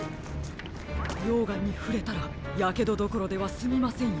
ようがんにふれたらやけどどころではすみませんよ。